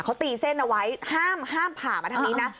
เขาตีเส้นเอาไว้ห้ามผ่ามาทางนี้นะ